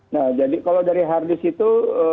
nah jadi kalau dari hard disk itu